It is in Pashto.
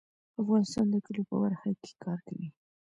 افغانستان د کلیو په برخه کې کار کوي.